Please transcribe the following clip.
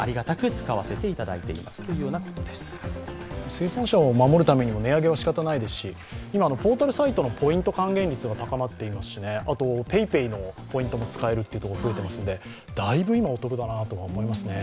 生産者を守るためにも値上げはしかたないですし今ポータルサイトのポイント還元率も高まっていますしあとＰａｙＰａｙのポイントも使えるところが増えていますのでだいぶ今お得だなとは思いますね。